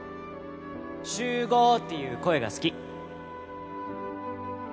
「集合！っていう声が好き！！」